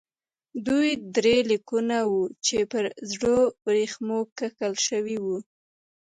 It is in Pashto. دوی درې لیکونه وو چې پر ژړو ورېښمو کښل شوي وو.